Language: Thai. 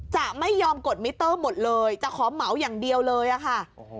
จะไม่ยอมกดมิเตอร์หมดเลยจะขอเหมาอย่างเดียวเลยอะค่ะ